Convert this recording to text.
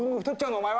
お前は。